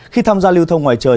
khi tham gia lưu thông ngoài trời